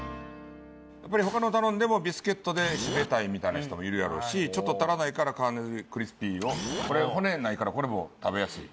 やっぱり他のを頼んでもビスケットで締めたいみたいな人もいるやろうしちょっと足らないからカーネルクリスピーをこれ骨ないからこれも食べやすい。